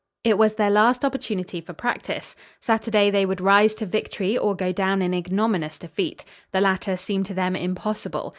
It was their last opportunity for practice. Saturday they would rise to victory or go down in ignominious defeat. The latter seemed to them impossible.